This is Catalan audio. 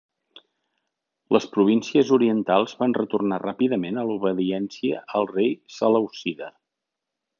Les províncies orientals van retornar ràpidament a l'obediència al rei selèucida.